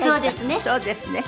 そうですね。